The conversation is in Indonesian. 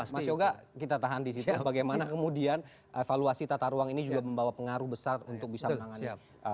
mas yoga kita tahan di situ bagaimana kemudian evaluasi tata ruang ini juga membawa pengaruh besar untuk bisa menangani